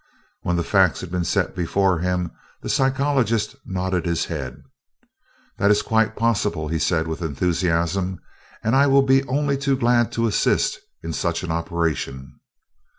When the facts had been set before him, the psychologist nodded his head "That is quite possible," he said with enthusiasm, "and I will be only too glad to assist in such an operation."